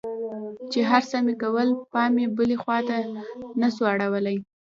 چې هرڅه مې کول پام مې بلې خوا ته نه سو اړولى.